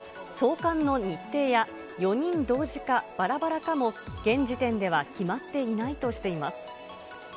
一方で、日本の警察当局は、送還の日程や、４人同時かばらばらかも、現時点では決まっていないとしています。